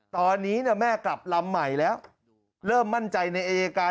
ตอนนี้แม่กลับลำใหม่แล้วเริ่มมั่นใจในอายการ